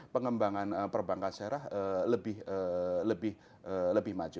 pengembangan perbangganan syariah lebih maju